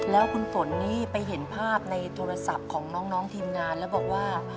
แล้วคุณฝนนี่ไปเห็นภาพในโทรศัพท์ของน้องทีมงานแล้วบอกว่า